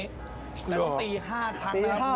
แต่ต้องตีห้าครั้งนะคุณผู้ชม